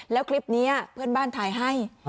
แล้วคลิปนี้เพื่อนบ้านถ่ายให้